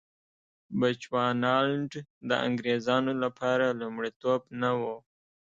بچوانالنډ د انګرېزانو لپاره لومړیتوب نه و.